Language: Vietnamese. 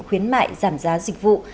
khuyến mại giảm giá dịch vụ